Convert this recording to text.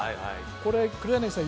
これ黒柳さん